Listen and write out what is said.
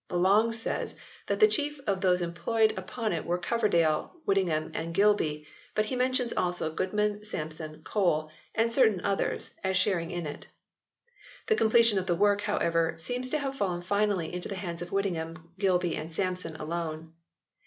Lelong says that the chief of those employed upon it were Coverdale, Whittingham and Gilby, but he mentions also Good man, Sampson, Cole, " and certain others " as sharing in it. The completion of the work, however, seems to have fallen finally into the hands of Whittingham, Gilby and Sampson alone.